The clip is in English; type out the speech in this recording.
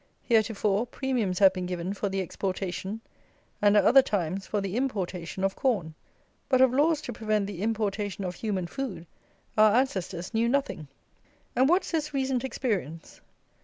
Heretofore, premiums have been given for the exportation, and at other times, for the importation, of corn; but of laws to prevent the importation of human food our ancestors knew nothing. And what says recent experience?